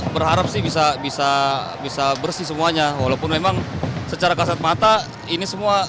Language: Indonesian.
berharap sih bisa bisa bersih semuanya walaupun memang secara kasat mata ini semua